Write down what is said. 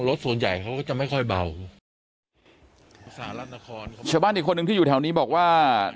รถส่วนใหญ่เขาก็จะไม่ค่อยเบาภาษาชาวบ้านอีกคนนึงที่อยู่แถวนี้บอกว่า